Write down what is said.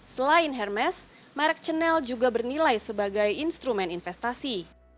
selain hermes merek channel juga bernilai sebagai instrumen investasi